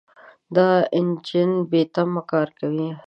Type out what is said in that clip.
دا انجن بېتمه کار کوي.